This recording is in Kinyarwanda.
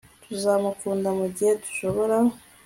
tuzamukunda mugihe dushobora